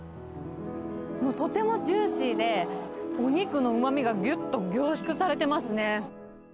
とてもジューシーで、お肉のうまみがぎゅっと凝縮されてますね。